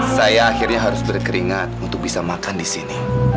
saya akhirnya harus berkeringat untuk bisa makan di sini